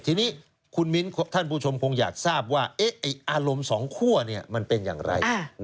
ทีนี้คุณมิ้นท่านผู้ชมคงอยากทราบว่าอารมณ์สองคั่วมันเป็นอย่างไร